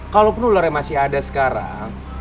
kalaupun ularnya masih ada sekarang